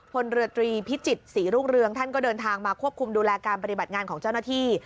พลเรือตรีพิจิตรศรีรุ่งเรืองท่านก็เดินทางมาควบคุมดูแลการปฏิบัติงานของเจ้าหน้าที่